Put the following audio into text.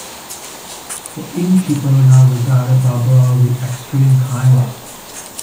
The innkeeper now regarded Barbara with extreme kindness.